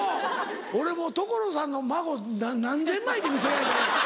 俺もう所さんの孫何千枚って見せられて。